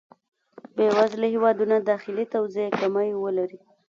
بې وزله هېوادونه داخلي توزېع کمی ولري.